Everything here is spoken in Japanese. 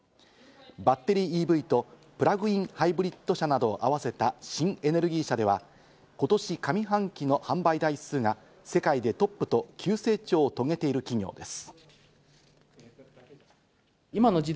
バッテリーＥＶとプラグインハイブリッド車などを合わせた新エネルギー車では今年上半期の販売台数が世界でトップと急成長を遂げている企業です。